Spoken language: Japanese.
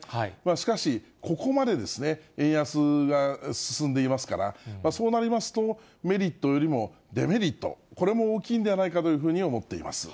しかし、ここまで円安が進んでいますから、そうなりますと、メリットよりもデメリット、これも大きいんではないかというふうに思っています。